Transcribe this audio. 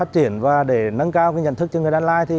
để nâng cao nhận thức cho người đàn lai